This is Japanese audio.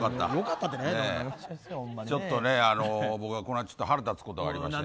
ちょっとね、僕、この間腹立つことがありまして。